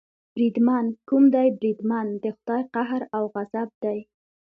بریدمن، کوم دی بریدمن، د خدای قهر او غضب دې.